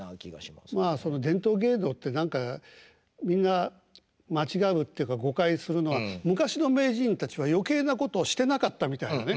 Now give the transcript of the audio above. まあ伝統芸能って何かみんな間違うっていうか誤解するのは昔の名人たちは余計なことをしてなかったみたいなね。